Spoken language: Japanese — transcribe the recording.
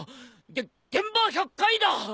げ現場１００回だ！